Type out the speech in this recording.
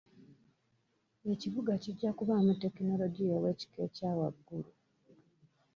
Ekibuga kijja kubaamu tekinologiya ow'ekika ekya waggulu.